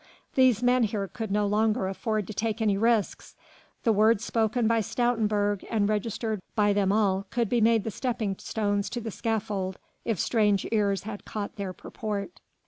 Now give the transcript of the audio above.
These men here could no longer afford to take any risks. The words spoken by Stoutenburg and registered by them all could be made the stepping stones to the scaffold if strange ears had caught their purport.